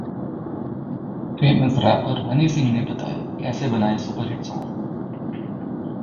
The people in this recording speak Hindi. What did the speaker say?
फेमस रैपर हनी सिंह ने बताया, कैसे बनाएं सुपरहिट सॉन्ग